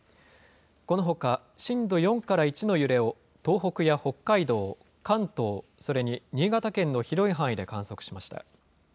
このほか、震度４から１の揺れを東北や北海道、関東、それに新潟県の広い範囲で観測しました。